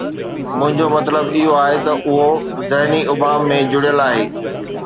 منهنجو مطلب اهو آهي ته اهو ذهني ابهام ۾ جڙيل آهي.